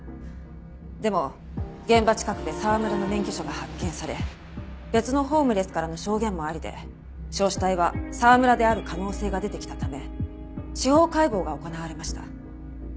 でも現場近くで沢村の免許証が発見され別のホームレスからの証言もありで焼死体は沢村である可能性が出てきたため司法解剖が行われました。